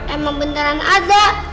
emang beneran ada